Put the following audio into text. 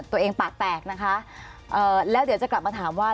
ปากแตกนะคะแล้วเดี๋ยวจะกลับมาถามว่า